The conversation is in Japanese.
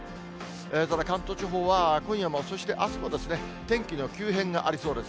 ただ関東地方は、今夜も、そしてあすもですね、天気の急変がありそうです。